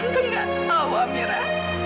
tante gak tau amira